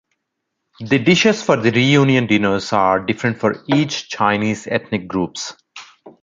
The dishes for the reunion dinners are different for each Chinese ethnic groups.